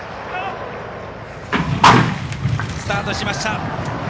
スタートしました。